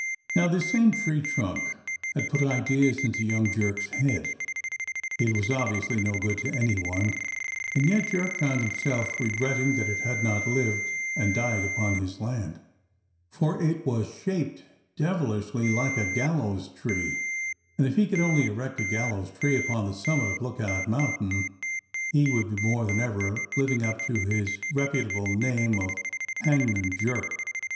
Now this same tree trunk had put ideas into young Jerk's head. It was obviously no good to any one, and yet Jerk found himself regretting that it had not lived and died upon his land, for it was shaped devilishly like a gallows tree, and if he could only erect a gallows tree upon the summit of Lookout Mountain he would be more than ever living up to his reputable name of Hangman Jerk.